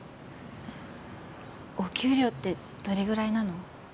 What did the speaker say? お給料ってどれぐらいなの？